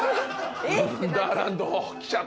『運ダーランド』来ちゃった。